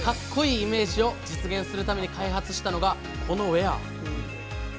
イメージを実現するために開発したのがこのウエア。